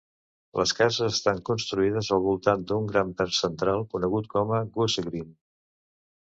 Les cases estan construïdes al voltant d'un gran verd central, conegut com a Goosegreen.